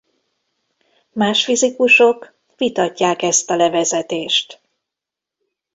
Más fizikusok vitatják ezt a levezetést.